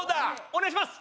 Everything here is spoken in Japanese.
お願いします！